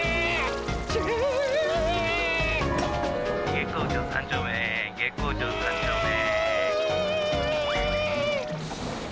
「月光町３丁目月光町３丁目」。